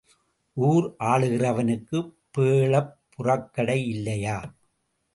ஊர் ஆளுகிறவனுக்குப் பேளப் புறக்கடை இல்லையா?